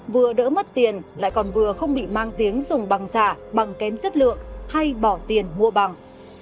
vừa đỡ mất tiền lại còn vừa không bị mang tiếng dùng bằng giả bằng kém chất lượng hay bỏ tiền mua bằng